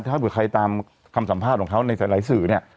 ถ้าเผื่อใครตามคำสัมภาษณ์ของเขาในหลายสื่อเนี่ย